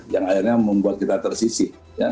yang akhirnya membuat kita tersisih